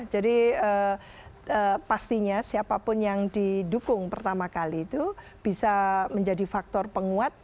jadi pastinya siapapun yang didukung pertama kali itu bisa menjadi faktor penguat